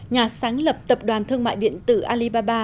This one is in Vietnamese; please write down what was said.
nhà sáng lập tập đoàn thương mại điện tử alibaba